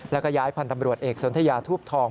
แล้วก็ย้ายพันธ์ตำรวจเอกสนทยาทูปทอง